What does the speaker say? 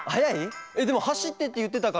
でもはしってっていってたから。